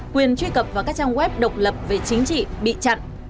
quyền truy cập vào các trang web độc lập về chính trị bị chặn